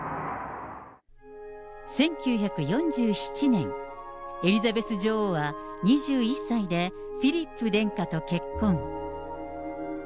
１９４７年、エリザベス女王は２１歳でフィリップ殿下と結婚。